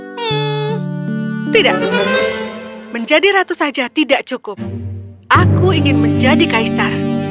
hmm tidak menjadi ratu saja tidak cukup aku ingin menjadi kaisar